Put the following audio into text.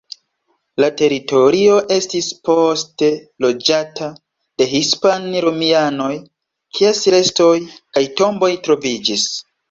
La teritorio estis poste loĝata de hispan-romianoj, kies restoj kaj tomboj troviĝis.